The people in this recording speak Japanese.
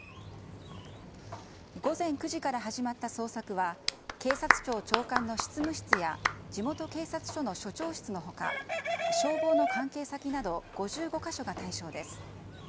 午前９時から始まった捜索は、警察庁長官の執務室や、地元警察署の署長室のほか、消防の関係先など５５か所が対象です。